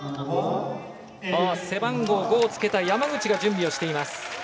背番号５をつけた山口が準備をしています。